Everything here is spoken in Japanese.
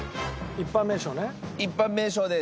一般名称です。